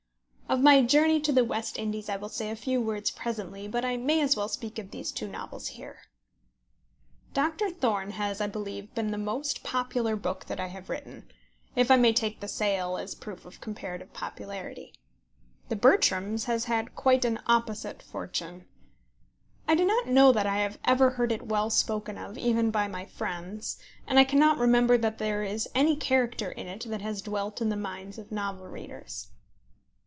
Of my journey to the West Indies I will say a few words presently, but I may as well speak of these two novels here. Doctor Thorne has, I believe, been the most popular book that I have written, if I may take the sale as a proof of comparative popularity. The Bertrams has had quite an opposite fortune. I do not know that I have ever heard it well spoken of even by my friends, and I cannot remember that there is any character in it that has dwelt in the minds of novel readers.